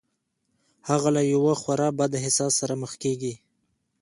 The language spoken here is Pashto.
هغه له يوه خورا بد احساس سره مخ کېږي.